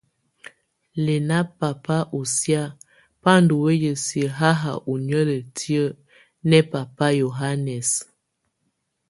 Lɛna baba ɔsia ba ndɔ wɛya siə haha ɔ nieleti nɛ baba Yohanɛs.